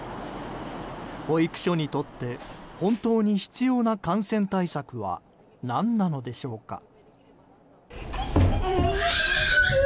保育所にとって本当に必要な感染対策は何なのでしょうか。